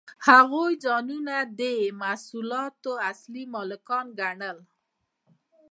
هغوی ځانونه د محصولاتو اصلي مالکان ګڼل